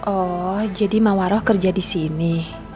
oh jadi mawaroh kerja disini